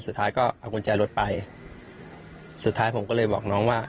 สุดท้ายก็เอากุญแจรถไปสุดท้ายผมก็เลยบอกน้องว่า